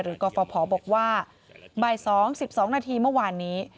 กรฟภบอกว่าบ่าย๒๑๒นาทีเมื่อวานนี้